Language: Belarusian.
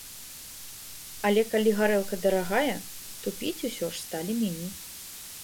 Але калі гарэлка дарагая, то піць усё ж сталі меней.